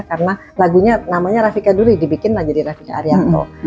karena namanya lagunya namanya rafika duri dibikin lah jadi rafika duri jadi